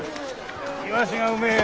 イワシがうめえよ。